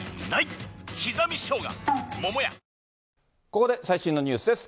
ここで最新のニュースです。